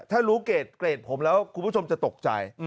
ถ้ารู้เกรดผมแล้วคุณผู้ชมจะตกใจ